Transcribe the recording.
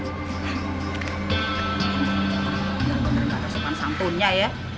gak ada sepanjang punya ya